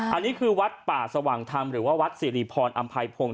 อันนี้คือวัดป่าสว่างธรรมหรือว่าวัดสิริพรอำไพพงศ